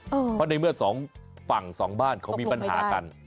เพราะในเมื่อสองฝั่งสองบ้านเขามีปัญหากัน